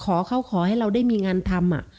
ขอเขาขอให้เราได้มีงานทำ